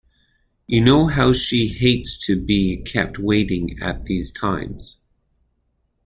You know how she hates to be kept waiting at these times.